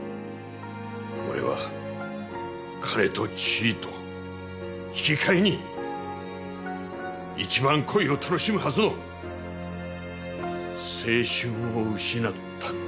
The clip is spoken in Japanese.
俺は金と地位と引き換えに一番恋を楽しむはずの青春を失ったんだ。